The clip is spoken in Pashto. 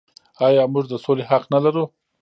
آیا موږ د سولې حق نلرو؟